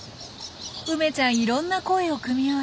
梅ちゃんいろんな声を組み合わせ